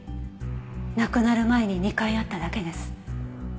亡くなる前に２回会っただけです。